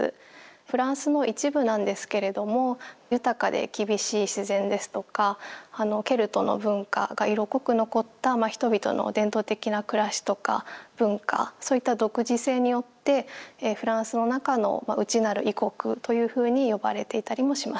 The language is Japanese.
フランスの一部なんですけれども豊かで厳しい自然ですとかケルトの文化が色濃く残った人々の伝統的な暮らしとか文化そういった独自性によってフランスの中の内なる異国というふうに呼ばれていたりもします。